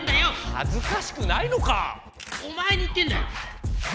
はずかしくないのか⁉おまえに言ってんだよ！